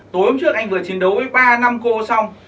tối hôm trước anh vừa chiến đấu với ba năm cô xong